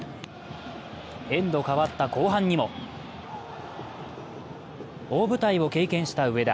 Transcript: エンド変わった後半にも大舞台を経験した上田。